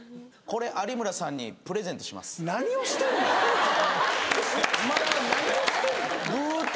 これ有村さんにプレゼントしますえっ？